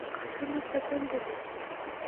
غاښونه څه دنده لري؟